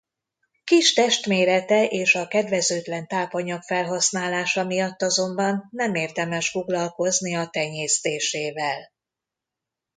Kis testmérete és a kedvezőtlen tápanyag felhasználása miatt azonban nem érdemes foglalkozni a tenyésztésével.